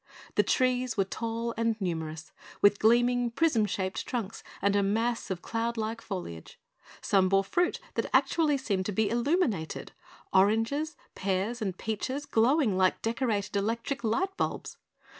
The trees were tall and numerous, with gleaming, prism shaped trunks and a mass of cloud like foliage. Some bore fruit that actually seemed to be illuminated oranges, pears, and peaches glowing like decorated electric light bulbs!